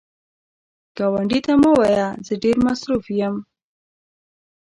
ګاونډي ته مه وایه “زه ډېر مصروف یم”